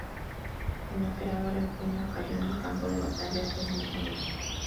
El emperador Eugenio cayó en el campo de batalla el mismo día.